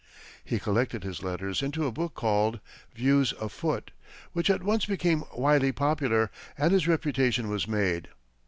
He collected his letters into a book called "Views Afoot," which at once became widely popular, and his reputation was made.